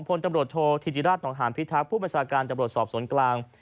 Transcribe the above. พลตำรวจโทษธิติราชนองหานพิทักษ์ผู้บัญชาการตำรวจสอบสวนกลาง